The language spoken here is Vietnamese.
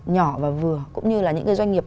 nhỏ và vừa cũng như là những cái doanh nghiệp